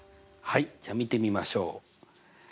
はいじゃあ見てみましょう。